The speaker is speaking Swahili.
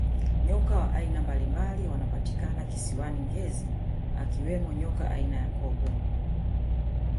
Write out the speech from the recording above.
nyoka wa aina mbalimbali wanapatikana kisiwani ngezi akiwemo nyoka aina ya cobra